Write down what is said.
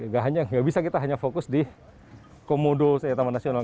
gak bisa kita hanya fokus di komodo taman nasional